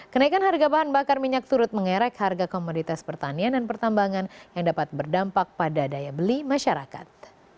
kenaikan harga bahan bakar minyak turut mengerek harga komoditas pertanian dan pertambangan yang dapat berdampak pada daya beli masyarakat